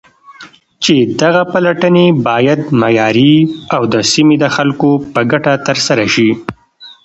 چې دغه پلټنې بايد معياري او د سيمې د خلكو په گټه ترسره شي.